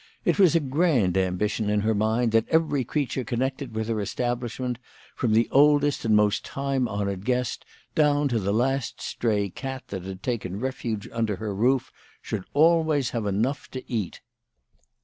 It was a grand ambition in her mind that every creature connected with her establishment, from the oldest and most time honoured guest down to the last stray cat that had taken refuge under her roof, should always have enough to eat.